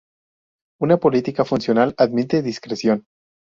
Una política funcional admite discreción.